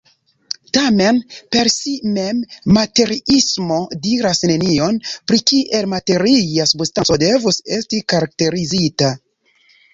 Tamen, per si mem materiismo diras nenion pri kiel materia substanco devus esti karakterizita.